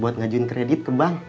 buat ngajuin kredit ke bank